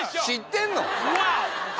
知ってんの？